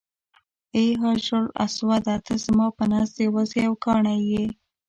ای حجر اسوده ته زما په نزد یوازې یو کاڼی یې.